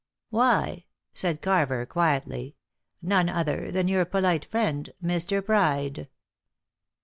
"Why," said Carver quietly, "none other than your polite friend, Mr. Pride."